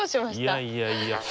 いやいやいや。